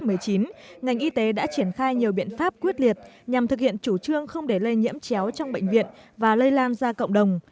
năm hai nghìn một mươi chín ngành y tế đã triển khai nhiều biện pháp quyết liệt nhằm thực hiện chủ trương không để lây nhiễm chéo trong bệnh viện và lây lan ra cộng đồng